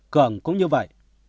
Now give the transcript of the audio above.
cường cũng như vậy